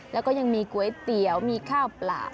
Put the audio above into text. แล้วก็ยังมีก๋วยเตี๋ยวมีข้าวปลา